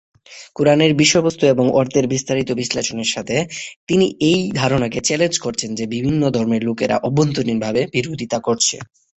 কোরআনের বিষয়বস্তু এবং অর্থের বিস্তারিত বিশ্লেষণের সাথে, তিনি এই ধারণাকে চ্যালেঞ্জ করেছেন যে বিভিন্ন ধর্মের লোকেরা অভ্যন্তরীণভাবে বিরোধিতা করছে।